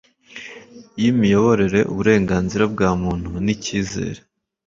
Y imiyoborere uburenganzira bwa muntu n icyizere